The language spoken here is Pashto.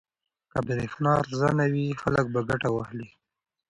که برېښنا ارزانه وي خلک به ګټه واخلي.